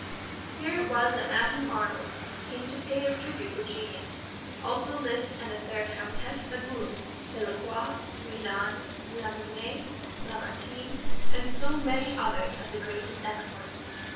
Here it was that Matthew Arnold came to pay his tribute to genius, also Liszt and the fair Countess d'Agoult, Delacroix, Renan, Lamennais, Lamartine, and so many others of the great and excellent.